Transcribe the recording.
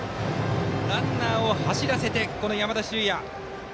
ランナーを走らせて、山田脩也。